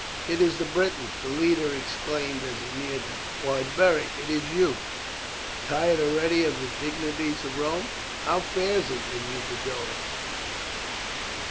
"It is the Britons," the leader exclaimed as he neared them. "Why, Beric, is it you, tired already of the dignities of Rome? How fares it with you, Boduoc?"